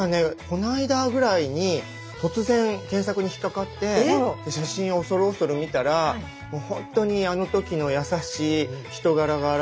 この間ぐらいに突然検索に引っ掛かって写真を恐る恐る見たらもうほんとにあの時の優しい人柄が表れた方がね